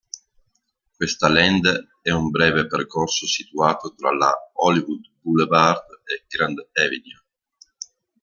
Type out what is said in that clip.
Questa land è un breve percorso situato tra la "Hollywood Boulevard" e "Grand Avenue".